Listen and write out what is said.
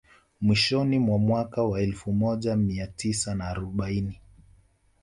Mwishoni mwa mwaka wa elfu moja mia tisa na arobaini